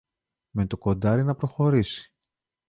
με το κοντάρι να προχωρήσει.